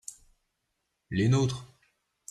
les nôtres.